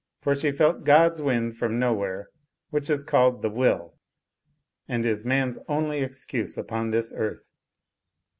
For she felt God's wind from nowhere which is called the Will; and is man's only excuse upon this earth.